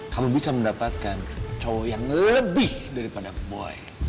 kamu bisa mendapatkan cowok yang lebih daripada boy